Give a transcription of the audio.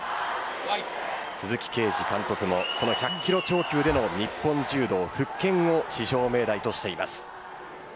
鈴木桂治監督もこの１００キロ超級での日本柔道復権を至上命題としています。